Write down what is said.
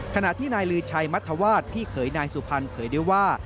ขณะที่นายลือชัยมัธวาสพี่เขยนายสุพรรณเผยด้วยว่า